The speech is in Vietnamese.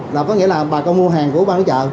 là có nghĩa là bà con mua hàng của ban quán lý chợ